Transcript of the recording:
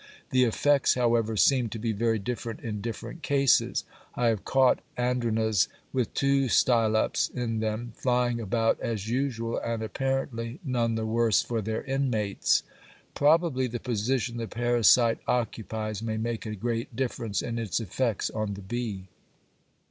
The effects, however, seem to be very different in different cases. I have caught Andrenas with two Stylops in them, flying about as usual and apparently none the worse for their inmates. Probably the position the parasite occupies may make a great difference in its effects on the bee.